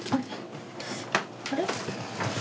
あれ？